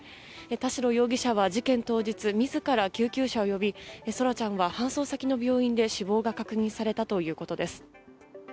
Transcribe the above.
田代容疑者は事件当日自ら救急車を呼び空来ちゃんは搬送先の病院で死亡が確認されたということです。